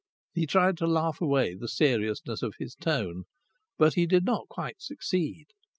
He tried to laugh away the seriousness of his tone, but he did not quite succeed.